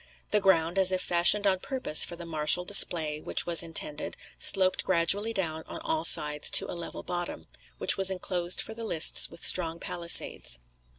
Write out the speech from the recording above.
The ground, as if fashioned on purpose for the martial display which was intended, sloped gradually down on all sides to a level bottom, which was enclosed for the lists with strong palisades.